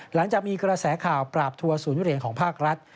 หลังจากมีกระแสข่าวปราบทัวร์ศูนย์เหรียญของภาครัฐ